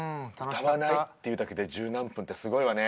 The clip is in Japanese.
歌わないっていうだけで十何分ってすごいわね。